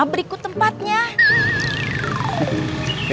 atau kalo ini ma bisa kebeli semua